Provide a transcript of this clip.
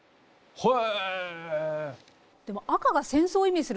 はい。